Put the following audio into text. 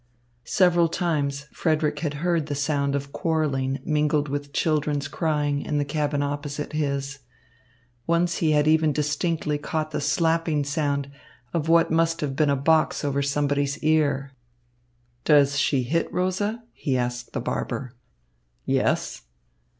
Several times Frederick had heard the sound of quarrelling mingled with children's crying in the cabin opposite his. Once he had even distinctly caught the slapping sound of what must have been a box over somebody's ear. "Does she hit Rosa?" he asked the barber. "Yes."